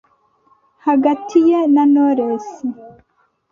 hagati ye na Knowless